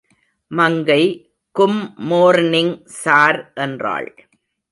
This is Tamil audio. மங்கை கும் மோர்னிங் ஸார் என்றாள்.